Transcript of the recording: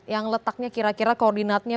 yang letaknya kira kira koordinatnya